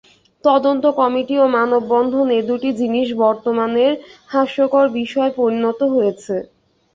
তদন্ত কমিটি ও মানববন্ধন এ দুটি জিনিস বর্তমানের হাস্যকর বিষয়ে পরিণত হয়েছে।